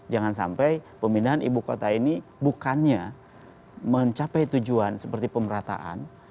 jangan sampai pemindahan ibu kota ini bukannya mencapai tujuan seperti pemerataan